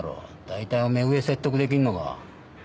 大体おめぇ上説得できんのか？